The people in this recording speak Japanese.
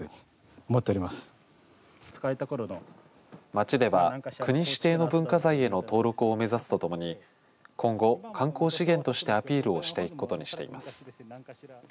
町では国指定の文化財への登録を目指すとともに今後、観光資源としてアピールをしていくことにしています。